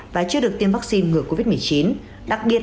và chưa được tiêm vaccine ngược covid một mươi chín đặc biệt là trẻ em